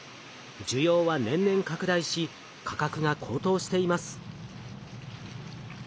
需要は年々拡大し価格が高騰しています。